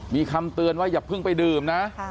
มีคำเตือนว่าอย่าเพิ่งไปดื่มนะ